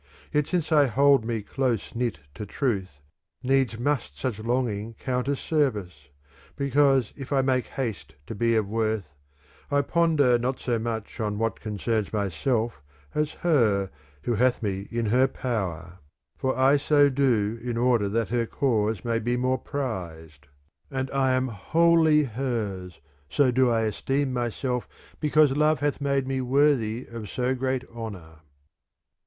Yet since I hold me close knit to truth needs must such longing count as service ; because if I make haste to be of worth I ponder not so much on what concerns myself as her, who hath me in her power ; for I so do in order that her cause may be more prized ;* and I am wholly hers ; so do I esteem myself because love hath made me worthy of so great honour.